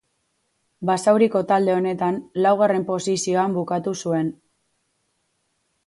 Basauriko talde honetan, laugarren posizioan bukatu zuen.